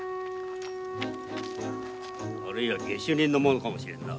あるいは下手人の物かもしれんな。